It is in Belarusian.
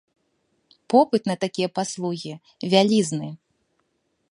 Попыт на такія паслугі вялізны.